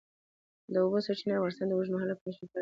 د اوبو سرچینې د افغانستان د اوږدمهاله پایښت لپاره مهم رول لري.